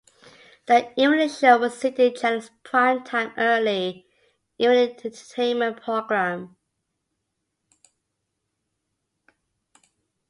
"The Evening Show" was City Channel's prime time early evening entertainment programme.